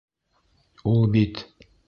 Ул бит!..